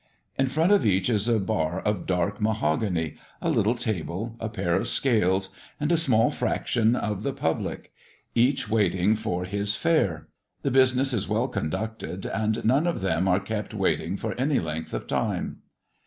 In front of each is a bar of dark mahogany, a little table, a pair of scales, and a small fraction of the public; each waiting for his fare. The business is well conducted, and none of them are kept waiting for any length of time.